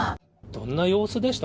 どんな様子でした？